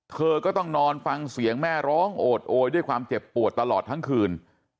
เธอก็ต้องนอนฟังเสียงแม่ร้องโอดโอยด้วยความเจ็บปวดตลอดทั้งคืน